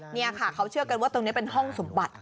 นี่ค่ะเขาเชื่อกันว่าตรงนี้เป็นห้องสมบัติ